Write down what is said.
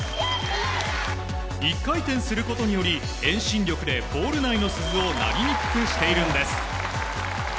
１回転することにより、遠心力でボール内の鈴をなりにくくしているんです。